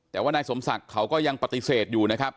แต่ว่านายสมศักดิ์เขาก็ยังปฏิเสธอยู่นะครับ